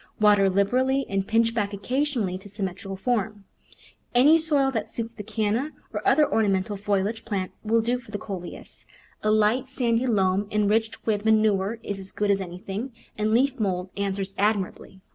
Water liberally and pinch back oc casionally to symmetrical form. Any soil that suits the Canna, or other ornamental foliage plant, will do for the Coleus — a light, sandy loam enriched with manure is as good as anything, and leaf mould an swers admirably.